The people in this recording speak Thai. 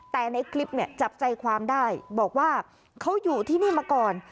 แต่ในคลิปเนี่ยจับใจความได้บอกว่าเขาอยู่ที่นี่มาก่อน